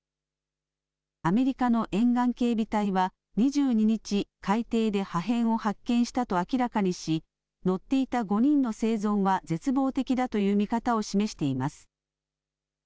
アメリカの沿岸警備隊は２２日、海底で破片を発見したと明らかにし乗っていた５人の生存は絶望的だという見方を示しています。